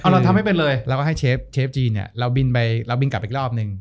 เราทำให้เป็นเลยเราก็ให้เชฟจีนเราบินกลับอีกรอบหนึ่ง